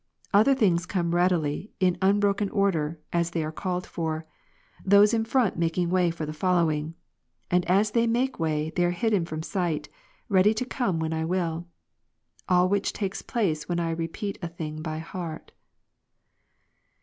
Other things come up readily, in unbroken order, as they are called for ; those in front making way for the following ; and as they make way, they are hidden from sight, ready to come when I will. All which takes place, when I repeat a thing by heart.